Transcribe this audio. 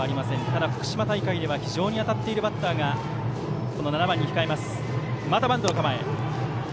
ただ、福島大会では非常に当たっているバッターが７番に控えます。